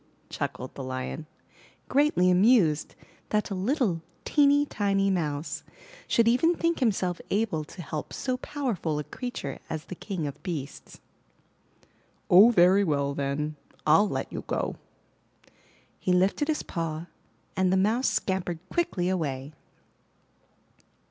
chuckled the Lion, greatly amused that a little teeny, tiny Mouse should even think himself able to help so powerful a creature as the King of Beasts. *'0h, very well then, Fll let you go!'' He lifted his paw, and the Mouse scampered quickly away.